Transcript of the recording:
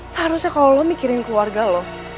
seharusnya kalo lo mikirin keluarga lo